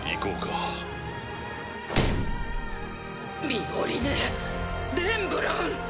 ミオリネ・レンブラン！